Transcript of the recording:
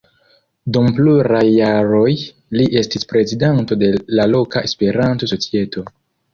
Dum pluraj jaroj li estis prezidanto de la loka Esperanto-societo.